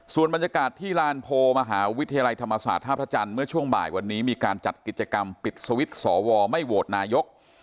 ส่วนบรรยากาศที่ลานโพลมหาวิทยาลัยธรรมศาสตร์ท่าพระจันทร์เมื่อช่วงบ่ายวันนี้มีการจัดกิจกรรมปิดสวิตช์สวไม่โหวตนายก